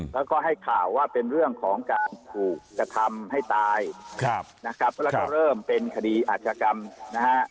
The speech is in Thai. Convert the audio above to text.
แล้วก็ให้ข่าวว่าเป็นเรื่องของการถูกกระทำให้ตายครับนะครับแล้วก็เริ่มเป็นคดีอาชกรรมนะฮะ